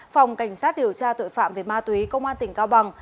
phòng cảnh sát điều tra tội phạm về ma túy công an tỉnh cao bằng